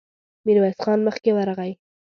ميرويس خان مخکې ورغی.